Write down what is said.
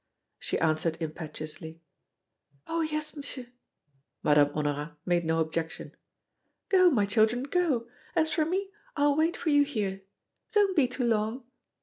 She answered impetuously: "Oh, yes, Monsieur." Madame Honorat made no objection: "Go, my children, go. As for me, I'll wait for you here. Don't be too long."